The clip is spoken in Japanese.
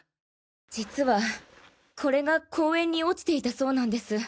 実はこれが公園に落ちていたそうなんです。